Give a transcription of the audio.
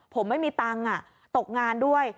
ผมไม่มีตังค์ตกงานด้วย